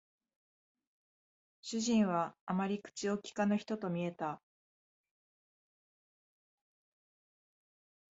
主人はあまり口を聞かぬ人と見えた